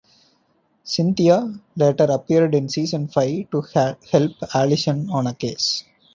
Cynthia later appeared in season five to help Allison on a case.